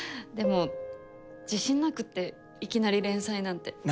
でも自信なくっていきなり連載なんて。